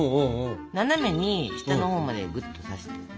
斜めに下のほうまでぐっと刺して。